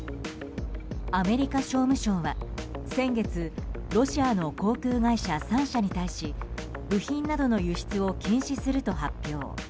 アメリカ商務省は先月ロシアの航空会社３社に対し部品などの輸出を禁止すると発表。